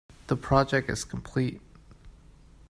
The project is complete.